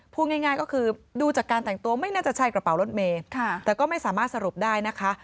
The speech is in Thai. พูดง่ายก็คือดูจากการแต่งตัวไม่น่าจะใช่กระเป๋ารถเมย์แต่ก็ไม่สามารถสรุปได้นะคะ